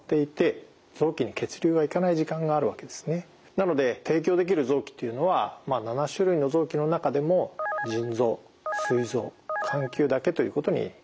なので提供できる臓器っていうのは７種類の臓器の中でも腎臓すい臓眼球だけということになっています。